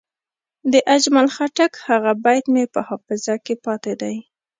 د اجمل خټک هغه بیت مې په حافظه کې پاتې دی.